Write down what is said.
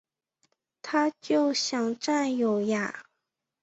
他就想占有呀